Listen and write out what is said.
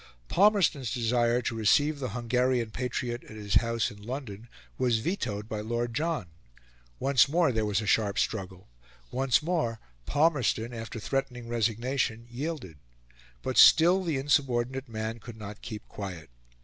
Palmerston's desire to receive the Hungarian patriot at his house in London was vetoed by Lord John; once more there was a sharp struggle; once more Palmerston, after threatening resignation, yielded. But still the insubordinate man could not keep quiet.